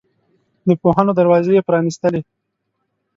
د پوهنو دروازې یې پرانستلې.